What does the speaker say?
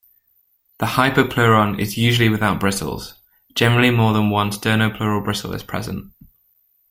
The hypopleuron is usually without bristles; generally, more than one sternopleural bristle is present.